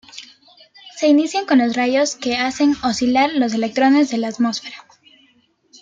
Se inician con los rayos, que hacen oscilar los electrones de la atmósfera.